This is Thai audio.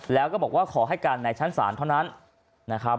แล้วก็บอกว่าขอให้การในชั้นศาลเท่านั้นนะครับ